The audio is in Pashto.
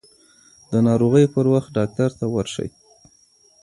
د ناروغۍ پر وخت ډاکټر ته ورشئ.